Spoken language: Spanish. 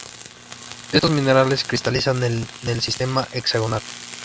Estos minerales cristalizan en el sistema hexagonal.